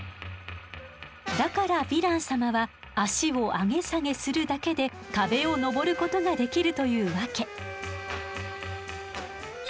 だからヴィラン様は足を上げ下げするだけで壁を登ることができるというわけ。